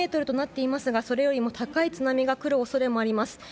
３ｍとなっていますがそれよりも高い津波が来る恐れもあります。